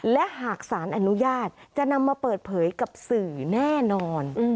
และหากสารอนุญาตจะนำมาเปิดเผยกับสื่อแน่นอน